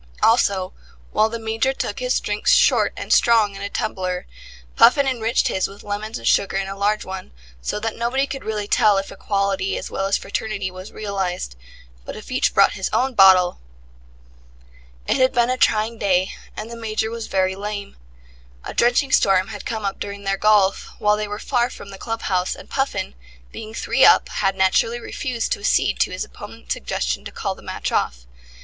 Also, while the Major took his drinks short and strong in a small tumbler, Puffin enriched his with lemons and sugar in a large one, so that nobody could really tell if equality as well as fraternity was realized. But if each brought his own bottle ... It had been a trying day, and the Major was very lame. A drenching storm had come up during their golf, while they were far from the club house, and Puffin, being three up, had very naturally refused to accede to his opponent's suggestion to call the match off.